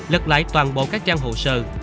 lật lại toàn bộ các trang hồ sơ